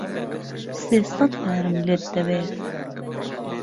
سێ سەت بارم لێت دەوێ